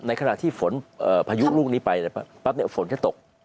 ขณะที่ฝนพายุลูกนี้ไปปั๊บฝนจะตก